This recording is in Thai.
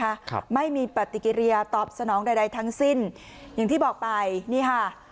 ครับไม่มีปฏิกิริยาตอบสนองใดใดทั้งสิ้นอย่างที่บอกไปนี่ค่ะ